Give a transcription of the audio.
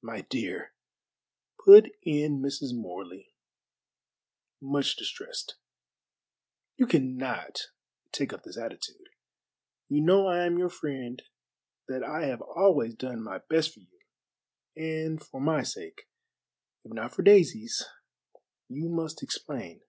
"My dear," put in Mrs. Morley, much distressed, "you cannot take up this attitude. You know I am your friend, that I have always done my best for you, and for my sake, if not for Daisy's, you must explain."